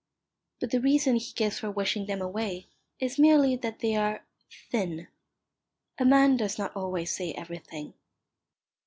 But the reason he gives for wishing them away is merely that they are "thin." A man does not always say everything.